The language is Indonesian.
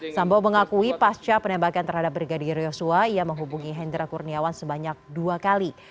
sambo mengakui pasca penembakan terhadap brigadir yosua ia menghubungi hendra kurniawan sebanyak dua kali